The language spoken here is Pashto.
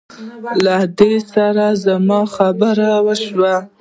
له دې سره زما خبره وشوه.